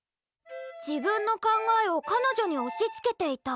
「自分の考えを彼女に押し付けていた」。